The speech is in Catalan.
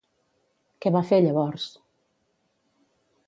Què va fer, llavors?